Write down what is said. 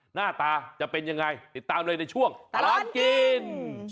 หน้าตาจะเป็นยังไงติดตามเลยในช่วงตลอดกิน